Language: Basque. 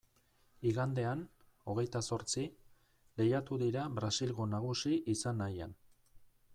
Igandean, hogeita zortzi, lehiatu dira Brasilgo nagusi izan nahian.